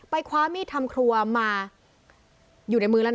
คว้ามีดทำครัวมาอยู่ในมือแล้วนะ